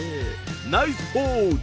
ナイスポーズ！